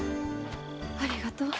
ありがとう。